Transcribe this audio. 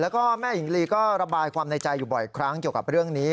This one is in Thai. แล้วก็แม่หญิงลีก็ระบายความในใจอยู่บ่อยครั้งเกี่ยวกับเรื่องนี้